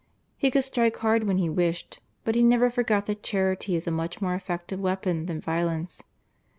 He could strike hard when he wished, but he never forgot that charity is a much more effective weapon than violence.